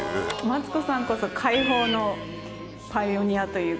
マツコさんこそ解放のパイオニアというか。